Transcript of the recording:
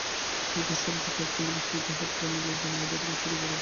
বিকট শব্দে ককটেলটি বিস্ফোরিত হওয়ায় গ্রামের লোকজনের মধ্যে আতঙ্ক ছড়িয়ে পড়ে।